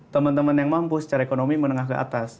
teman teman yang mampu secara ekonomi menengah ke atas